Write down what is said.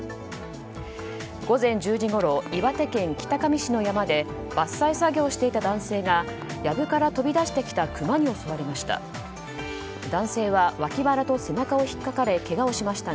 午前１０時ごろ岩手県北上市の山で伐採作業をしていた男性がやぶから飛び出したクマに襲われました。